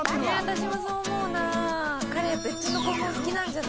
私もそう思うな。